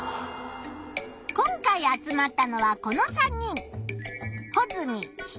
今回集まったのはこの３人。